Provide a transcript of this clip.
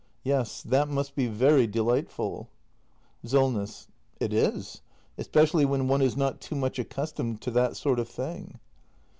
Yes, that must be very delightful Solness. It is. Especially when one is not too much accustomed to that sort of thing.